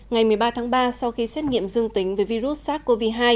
ngày một mươi ba tháng ba sau khi xét nghiệm dương tính với virus sars cov hai